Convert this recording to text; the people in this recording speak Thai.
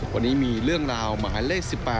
วันนี้มีเรื่องราวหมายเลข๑๘